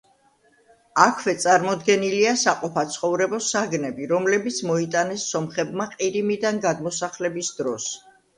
აქვე წარმოდგენილია საყოფაცხოვრებო საგნები, რომლებიც მოიტანეს სომხებმა ყირიმიდან გადმოსახლების დროს.